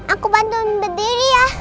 aku bantu berdiri ya